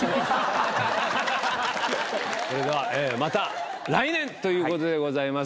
それではまた来年ということでございます。